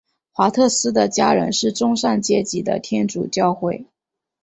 华特斯的家人是中上阶级的天主教会。